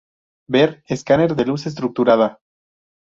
Ver: Escáner de luz estructurada.